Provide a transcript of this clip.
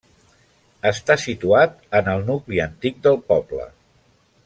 Està situat en el nucli antic del poble.